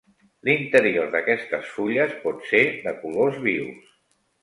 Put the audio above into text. L'interior d'aquestes fulles pot ser de colors vius.